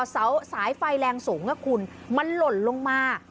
เสาสายไฟแรงสูงนะคุณมันหล่นลงมา